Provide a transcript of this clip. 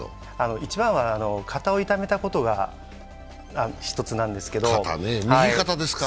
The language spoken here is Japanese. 一番は肩を痛めたことが１つなんですけど、右肩ですか。